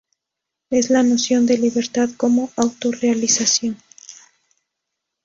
Es la noción de libertad como autorrealización.